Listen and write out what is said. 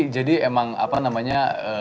jadi emang apa namanya